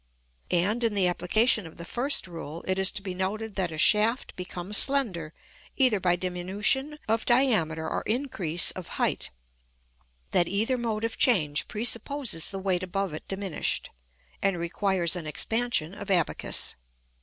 And, in the application of the first rule, it is to be noted that a shaft becomes slender either by diminution of diameter or increase of height; that either mode of change presupposes the weight above it diminished, and requires an expansion of abacus.